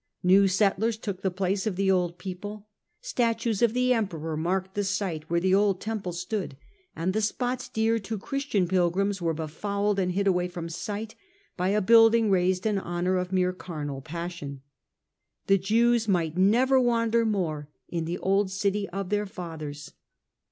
New settlers took the place of the old people ; statues of the Emperor marked the site where the old Temple stood ; and the spots dear to Christian pilgrims were befouled and hid away from sight by a building raised in honour of mere carnal passion. The Jews might never wander more in the old city of their fathers.